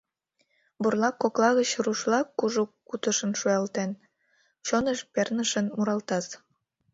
Бурлак кокла гыч руш-влак, кужу кутышын шуялтен, чоныш пернышын муралтат: